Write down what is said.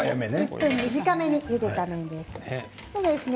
１分短めにゆでた麺ですね。